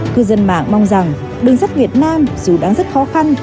cư dân mạng mong rằng đường sắt việt nam dù đang rất khó khăn